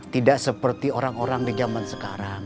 tidak seperti orang orang di zaman sekarang